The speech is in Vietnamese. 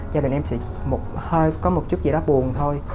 gia đình em sẽ có một chút gì đó buồn thôi